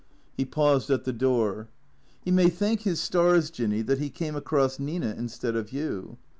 He paused at the door. " He may thank his stars. Jinny, that he came across Nina instead of you."